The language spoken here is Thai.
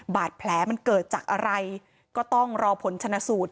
บาดแผลมันเกิดจากอะไรก็ต้องรอผลชนะสูตร